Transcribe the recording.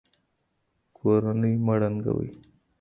کورنۍ مه ړنګوئ.